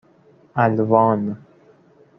الوان